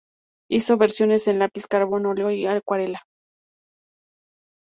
Hizo versiones en lápiz, carbón óleo y acuarela.